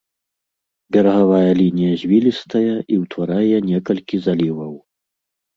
Берагавая лінія звілістая і ўтварае некалькі заліваў.